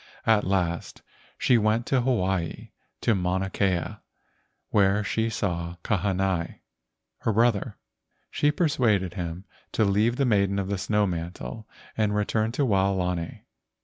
At last she went to Hawaii to Mauna Kea, where she saw Kahanai, her brother. She persuaded him to leave the maiden of the snow mantle and return to Waolani.